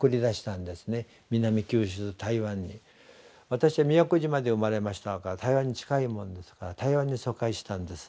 私は宮古島で生まれましたから台湾に近いもんですから台湾に疎開したんです。